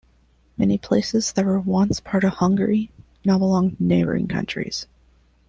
Many places that were once part of Hungary now belong to neighboring countries.